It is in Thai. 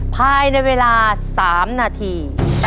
ภายในเวลา๓นาที